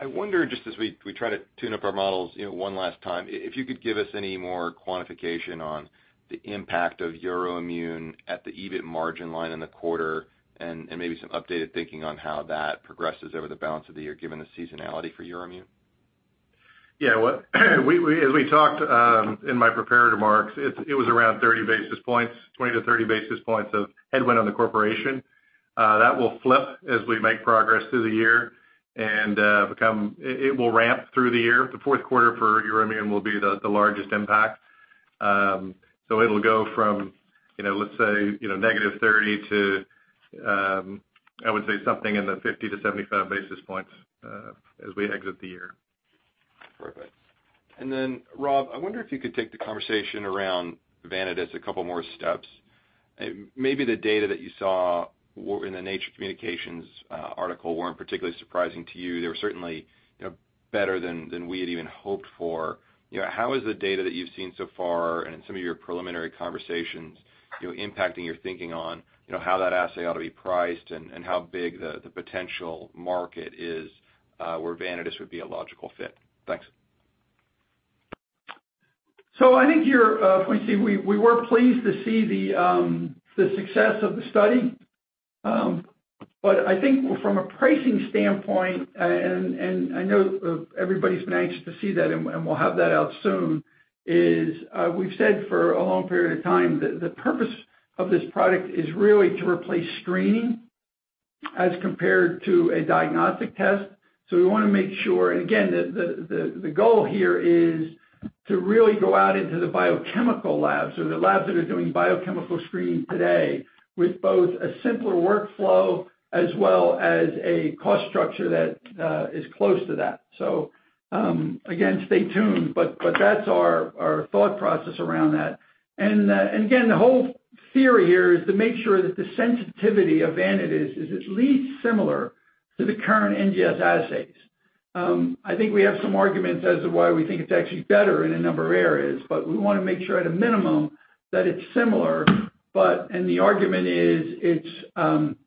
I wonder, just as we try to tune up our models one last time, if you could give us any more quantification on the impact of EUROIMMUN at the EBIT margin line in the quarter, and maybe some updated thinking on how that progresses over the balance of the year, given the seasonality for EUROIMMUN. Yeah, as we talked in my prepared remarks, it was around 30 basis points, 20-30 basis points of headwind on the corporation. That will flip as we make progress through the year, and it will ramp through the year. The fourth quarter for EUROIMMUN will be the largest impact. It'll go from, let's say, negative 30 to, I would say something in the 50-75 basis points, as we exit the year. Perfect. Rob, I wonder if you could take the conversation around Vanadis a couple more steps. Maybe the data that you saw in the "Nature Communications" article weren't particularly surprising to you. They were certainly better than we had even hoped for. How is the data that you've seen so far, and in some of your preliminary conversations, impacting your thinking on how that assay ought to be priced and how big the potential market is, where Vanadis would be a logical fit? Thanks. I think here, Steve we were pleased to see the success of the study. I think from a pricing standpoint, and I know everybody's been anxious to see that, and we'll have that out soon, is we've said for a long period of time that the purpose of this product is really to replace screening as compared to a diagnostic test. We want to make sure, and again, the goal here is to really go out into the biochemical labs or the labs that are doing biochemical screening today with both a simpler workflow as well as a cost structure that is close to that. Again, stay tuned, but that's our thought process around that. Again, the whole theory here is to make sure that the sensitivity of Vanadis is at least similar to the current NGS assays. I think we have some arguments as to why we think it's actually better in a number of areas, but we want to make sure at a minimum that it's similar, and the argument is it's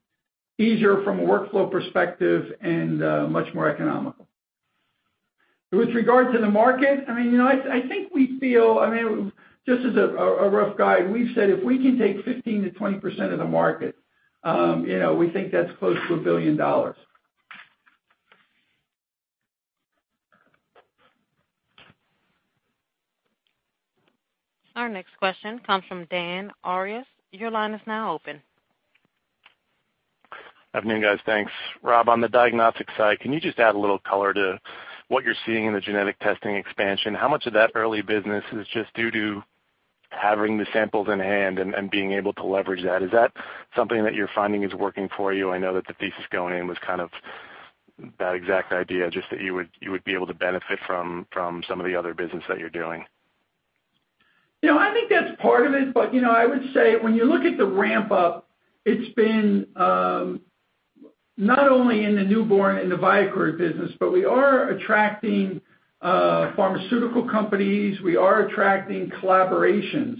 easier from a workflow perspective and much more economical. With regard to the market, I think we feel, just as a rough guide, we've said if we can take 15%-20% of the market, we think that's close to $1 billion. Our next question comes from Dan Arias. Your line is now open. Good afternoon, guys. Thanks. Rob, on the diagnostic side, can you just add a little color to what you're seeing in the genetic testing expansion? How much of that early business is just due to having the samples in hand and being able to leverage that? Is that something that you're finding is working for you? I know that the thesis going in was kind of that exact idea, just that you would be able to benefit from some of the other business that you're doing. I think that's part of it, but I would say when you look at the ramp up, it's been not only in the newborn and the ViaCord business, but we are attracting pharmaceutical companies. We are attracting collaborations.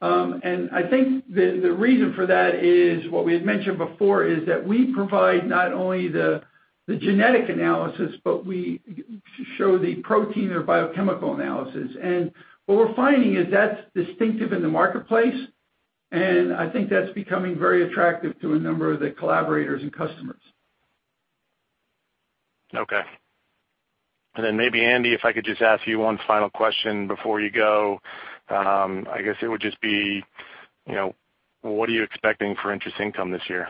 I think the reason for that is what we had mentioned before, is that we provide not only the genetic analysis, but we show the protein or biochemical analysis. What we're finding is that's distinctive in the marketplace, and I think that's becoming very attractive to a number of the collaborators and customers. Okay. Maybe, Andy, if I could just ask you one final question before you go. I guess it would just be, what are you expecting for interest income this year?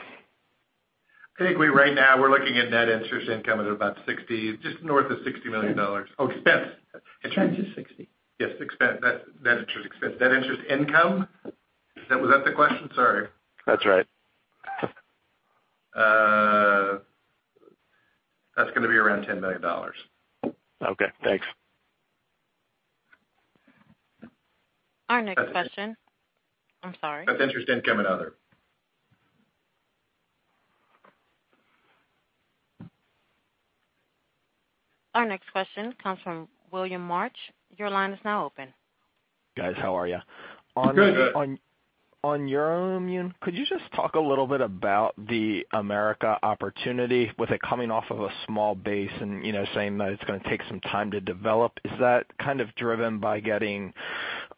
I think right now we're looking at net interest income at about $60, just north of $60 million. Oh, expense. Expense. Expense is $60. Yes, expense. Net interest expense. Net interest income, was that the question? Sorry. That's right. That's going to be around $10 million. Okay, thanks. I'm sorry. Net interest income and other. Our next question comes from William March. Your line is now open. Guys, how are you? Good. On EUROIMMUN, could you just talk a little bit about the U.S. opportunity with it coming off of a small base and saying that it's going to take some time to develop, is that kind of driven by getting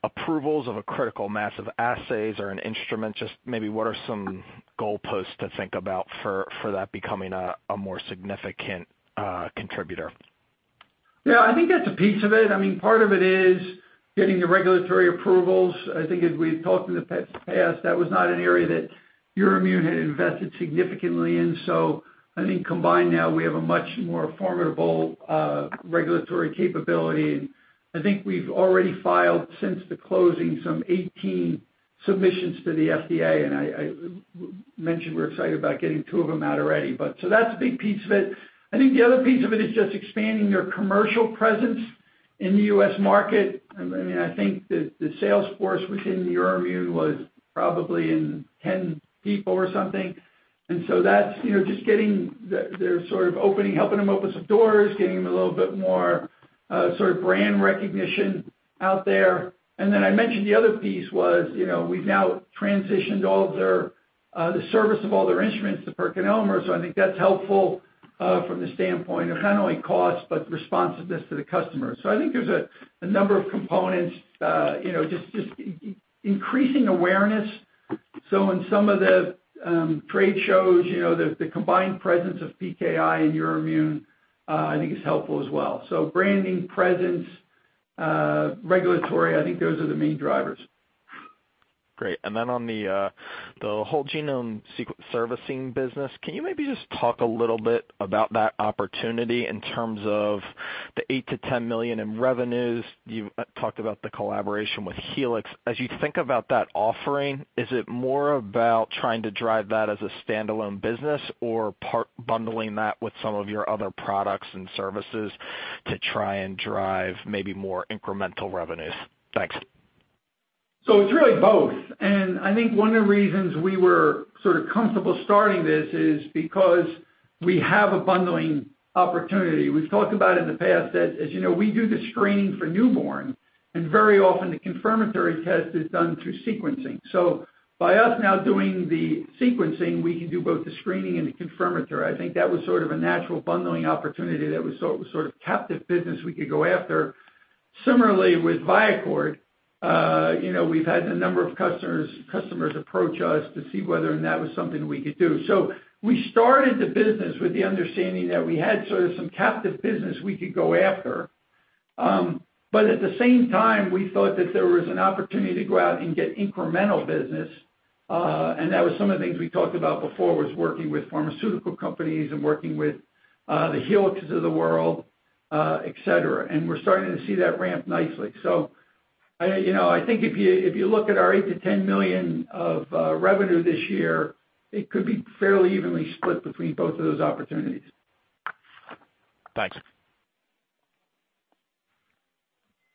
approvals of a critical mass of assays or an instrument? Just maybe what are some goalposts to think about for that becoming a more significant contributor? Yeah, I think that's a piece of it. Part of it is getting the regulatory approvals. I think as we had talked in the past, that was not an area that EUROIMMUN had invested significantly in. I think combined now we have a much more formidable regulatory capability, and I think we've already filed, since the closing, some 18 submissions to the FDA, and I mentioned we're excited about getting two of them out already. That's a big piece of it. I think the other piece of it is just expanding their commercial presence in the U.S. market. I think the sales force within EUROIMMUN was probably 10 people or something, that's just getting, they're sort of opening, helping them open some doors, getting them a little bit more sort of brand recognition out there. I mentioned the other piece was, we've now transitioned all of their, the service of all their instruments to PerkinElmer. I think that's helpful, from the standpoint of not only cost, but responsiveness to the customer. I think there's a number of components, just increasing awareness. In some of the trade shows, the combined presence of PKI and EUROIMMUN, I think is helpful as well. Branding, presence, regulatory, I think those are the main drivers. Great. Then on the whole genome servicing business, can you maybe just talk a little bit about that opportunity in terms of the $8 million-$10 million in revenues? You've talked about the collaboration with Helix. As you think about that offering, is it more about trying to drive that as a standalone business or part bundling that with some of your other products and services to try and drive maybe more incremental revenues? Thanks. It's really both. I think one of the reasons we were sort of comfortable starting this is because we have a bundling opportunity. We've talked about in the past that, as you know, we do the screening for newborn, and very often the confirmatory test is done through sequencing. By us now doing the sequencing, we can do both the screening and the confirmatory. I think that was sort of a natural bundling opportunity that was sort of captive business we could go after. Similarly with ViaCord, we've had a number of customers approach us to see whether or not that was something we could do. We started the business with the understanding that we had sort of some captive business we could go after. At the same time, we thought that there was an opportunity to go out and get incremental business, and that was some of the things we talked about before, was working with pharmaceutical companies and working with the Helixes of the world, et cetera. We're starting to see that ramp nicely. I think if you look at our $8 million-$10 million of revenue this year, it could be fairly evenly split between both of those opportunities. Thanks.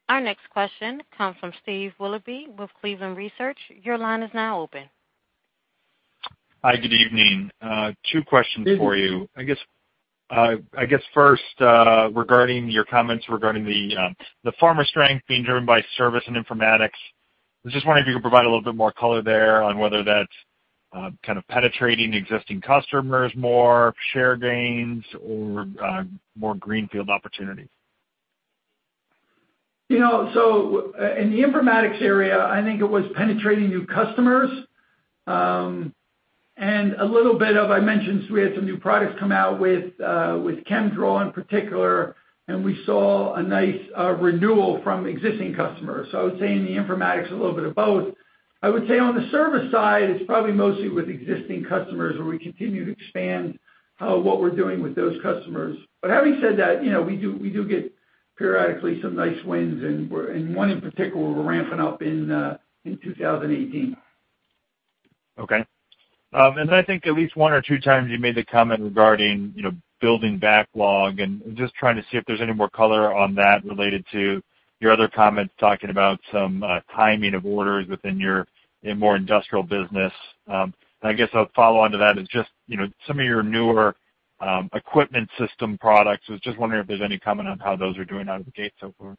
Our next question comes from Steve Willoughby with Cleveland Research. Your line is now open. Hi, good evening. Two questions for you. I guess first, regarding your comments regarding the pharma strength being driven by service and informatics. I was just wondering if you could provide a little bit more color there on whether that's kind of penetrating existing customers more, share gains, or more greenfield opportunity. In the informatics area, I think it was penetrating new customers. A little bit of, I mentioned we had some new products come out with ChemDraw in particular, and we saw a nice renewal from existing customers. I would say in the informatics, a little bit of both. I would say on the service side, it's probably mostly with existing customers where we continue to expand what we're doing with those customers. Having said that, we do get periodically some nice wins, and one in particular we're ramping up in 2018. Okay. I think at least one or two times you made the comment regarding building backlog and just trying to see if there's any more color on that related to your other comments, talking about some timing of orders within your more industrial business. I guess a follow-on to that is just some of your newer equipment system products. Was just wondering if there's any comment on how those are doing out of the gate so far?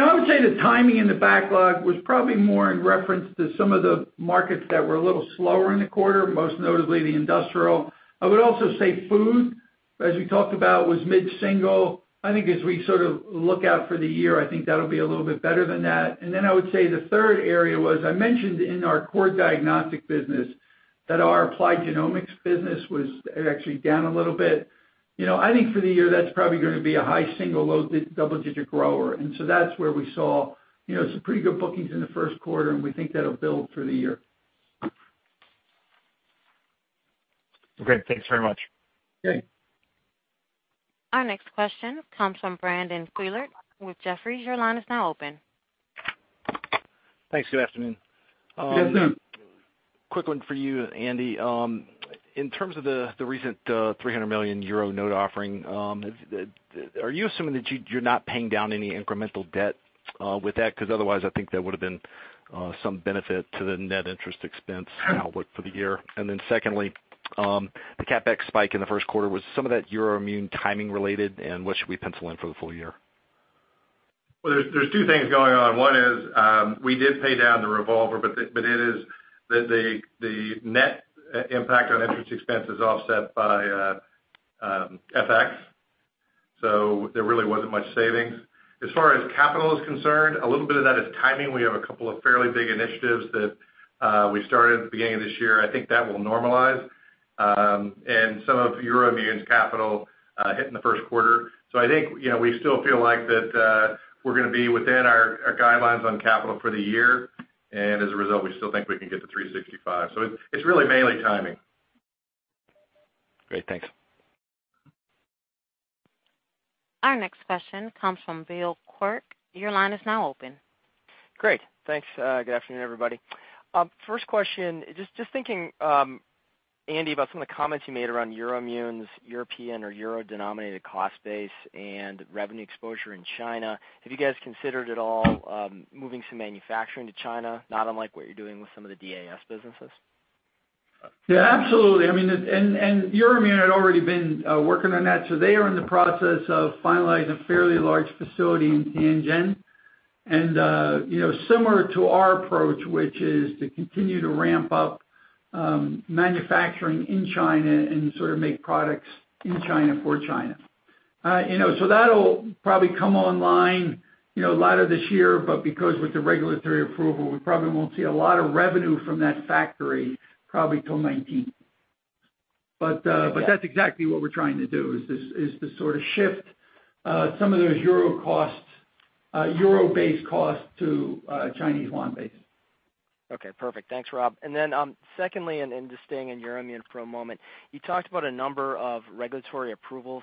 I would say the timing in the backlog was probably more in reference to some of the markets that were a little slower in the quarter, most notably the industrial. I would also say food, as we talked about, was mid-single. I think as we sort of look out for the year, I think that'll be a little bit better than that. I would say the third area was, I mentioned in our core diagnostic business that our Applied Genomics business was actually down a little bit. I think for the year that's probably going to be a high single, low double-digit grower. That's where we saw some pretty good bookings in the first quarter, and we think that'll build through the year. Great. Thanks very much. Okay. Our next question comes from Brandon Couillard with Jefferies. Your line is now open. Thanks. Good afternoon. Good afternoon. Quick one for you, Andy. In terms of the recent 300 million euro note offering, are you assuming that you're not paying down any incremental debt with that? Otherwise, I think there would've been some benefit to the net interest expense outlook for the year. Secondly, the CapEx spike in the first quarter, was some of that EUROIMMUN timing related, and what should we pencil in for the full year? Well, there's two things going on. One is, we did pay down the revolver. The net impact on interest expense is offset by FX. There really wasn't much savings. As far as capital is concerned, a little bit of that is timing. We have a couple of fairly big initiatives that we started at the beginning of this year. I think that will normalize. Some of EUROIMMUN's capital hit in the first quarter. I think we still feel like that we're going to be within our guidelines on capital for the year. As a result, we still think we can get to 365. It's really mainly timing. Great. Thanks. Our next question comes from Bill Quirk. Your line is now open. Great. Thanks. Good afternoon, everybody. First question, just thinking, Andy, about some of the comments you made around EUROIMMUN's European or euro-denominated cost base and revenue exposure in China. Have you guys considered at all moving some manufacturing to China, not unlike what you're doing with some of the DAS businesses? Yeah, absolutely. EUROIMMUN had already been working on that, so they are in the process of finalizing a fairly large facility in Tianjin. Similar to our approach, which is to continue to ramp up manufacturing in China and sort of make products in China for China. That'll probably come online later this year, but because with the regulatory approval, we probably won't see a lot of revenue from that factory probably till 2019. That's exactly what we're trying to do, is to sort of shift some of those euro-based costs to Chinese yuan base. Okay, perfect. Thanks, Rob. Secondly, just staying in EUROIMMUN for a moment, you talked about a number of regulatory approvals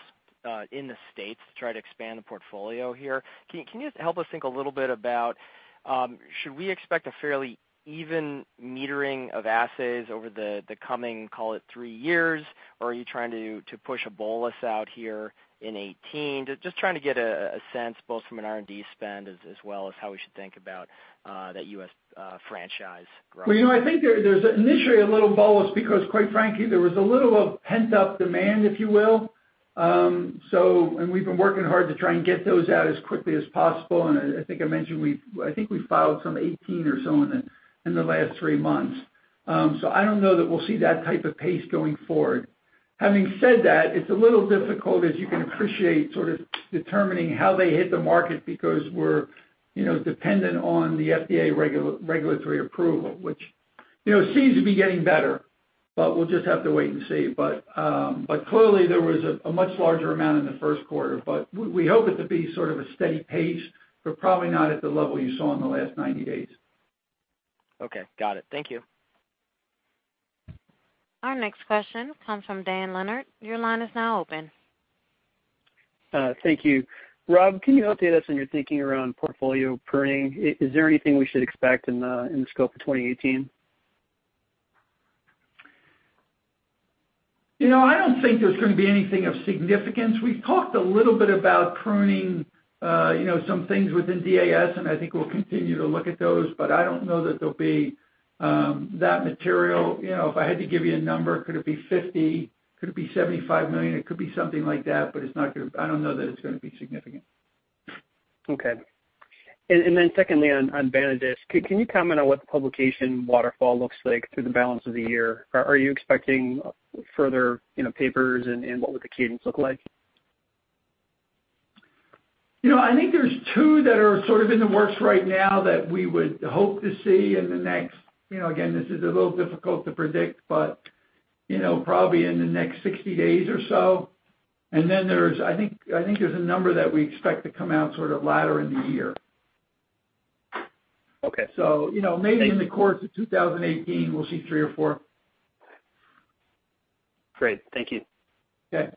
in the U.S. to try to expand the portfolio here. Can you help us think a little bit about, should we expect a fairly even metering of assays over the coming, call it three years? Are you trying to push a bolus out here in 2018? Just trying to get a sense, both from an R&D spend as well as how we should think about that U.S. franchise growth. Well, I think there's initially a little bolus because quite frankly, there was a little of pent-up demand, if you will. We've been working hard to try and get those out as quickly as possible, and I think I mentioned we've filed some 18 or so in the last three months. I don't know that we'll see that type of pace going forward. Having said that, it's a little difficult, as you can appreciate, sort of determining how they hit the market because we're dependent on the FDA regulatory approval, which seems to be getting better, but we'll just have to wait and see. Clearly there was a much larger amount in the first quarter, but we hope it to be sort of a steady pace, but probably not at the level you saw in the last 90 days. Okay, got it. Thank you. Our next question comes from Dan Leonard. Your line is now open. Thank you. Rob, can you update us on your thinking around portfolio pruning? Is there anything we should expect in the scope of 2018? I don't think there's going to be anything of significance. We talked a little bit about pruning some things within DAS, I think we'll continue to look at those, I don't know that there'll be that material. If I had to give you a number, could it be $50? Could it be $75 million? It could be something like that, I don't know that it's going to be significant. Secondly, on Vanadis, can you comment on what the publication waterfall looks like through the balance of the year? Are you expecting further papers, and what would the cadence look like? I think there's two that are sort of in the works right now that we would hope to see in the next, again, this is a little difficult to predict, but probably in the next 60 days or so. I think there's a number that we expect to come out sort of latter in the year. Okay. Maybe in the course of 2018, we'll see three or four. Great. Thank you. Okay.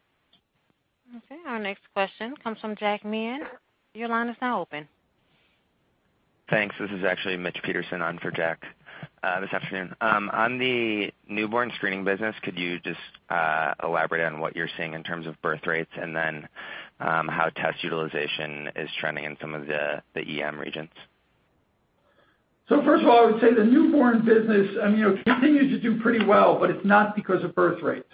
Okay, our next question comes from Jack Meehan. Your line is now open. Thanks. This is actually Mitch Peterson on for Jack this afternoon. On the newborn screening business, could you just elaborate on what you're seeing in terms of birthrates, and then how test utilization is trending in some of the EM regions? First of all, I would say the newborn business continues to do pretty well, it's not because of birthrates.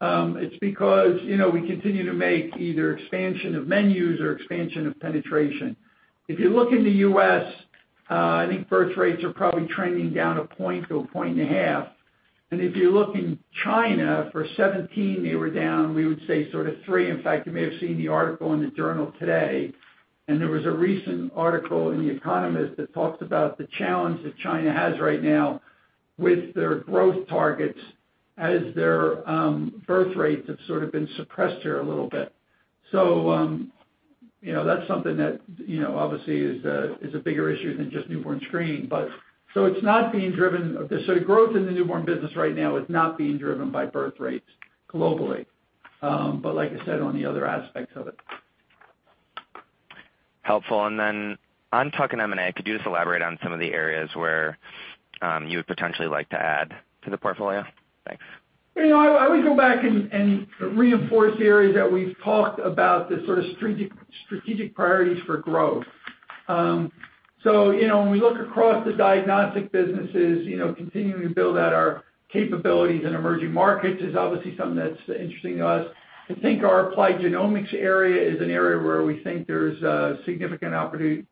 It's because we continue to make either expansion of menus or expansion of penetration. If you look in the U.S., I think birthrates are probably trending down 1 point-1.5 points. If you look in China, for 2017 they were down, we would say sort of 3%. In fact, you may have seen the article in the journal today, and there was a recent article in The Economist that talks about the challenge that China has right now with their growth targets as their birthrates have sort of been suppressed here a little bit. That's something that obviously is a bigger issue than just newborn screening. The growth in the newborn business right now is not being driven by birthrates globally. Like I said, on the other aspects of it. Helpful. On tuck-in M&A, could you just elaborate on some of the areas where you would potentially like to add to the portfolio? Thanks. I would go back and reinforce the areas that we've talked about, the sort of strategic priorities for growth. When we look across the diagnostic businesses, continuing to build out our capabilities in emerging markets is obviously something that's interesting to us. I think our Applied Genomics area is an area where we think there's significant opportunity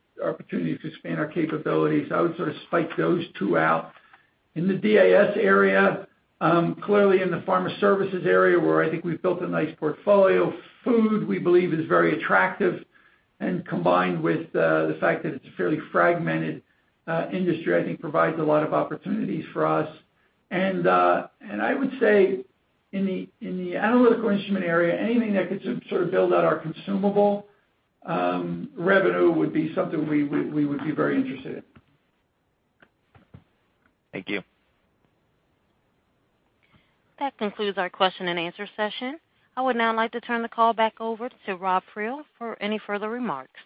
to expand our capabilities. I would sort of spike those two out. In the DAS area, clearly in the pharma services area, where I think we've built a nice portfolio. Food, we believe is very attractive, and combined with the fact that it's a fairly fragmented industry, I think provides a lot of opportunities for us. I would say in the analytical instrument area, anything that could sort of build out our consumable revenue would be something we would be very interested in. Thank you. That concludes our question and answer session. I would now like to turn the call back over to Robert Friel for any further remarks.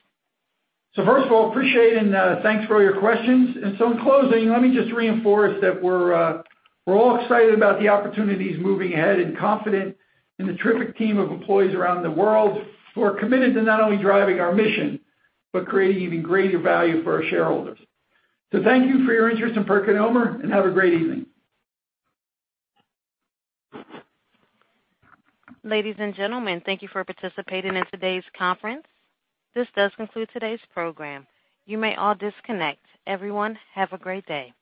First of all, appreciate and thanks for all your questions. In closing, let me just reinforce that we're all excited about the opportunities moving ahead and confident in the terrific team of employees around the world who are committed to not only driving our mission, but creating even greater value for our shareholders. Thank you for your interest in PerkinElmer, and have a great evening. Ladies and gentlemen, thank you for participating in today's conference. This does conclude today's program. You may all disconnect. Everyone, have a great day.